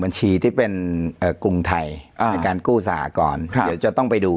บัญชีที่เป็นกรุงไทยในการกู้สหกรณ์เดี๋ยวจะต้องไปดู